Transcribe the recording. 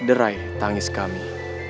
derai tangis kami